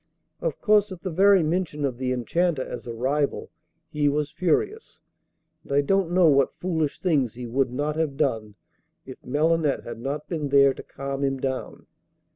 Of course, at the very mention of the Enchanter as a rival he was furious, and I don't know what foolish things he would not have done if Melinette had not been there to calm him down.